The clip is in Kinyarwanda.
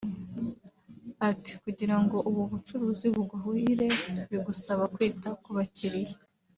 Ati “Kugira ngo ubu bucuruzi buguhire bisaba kwita ku bakiriya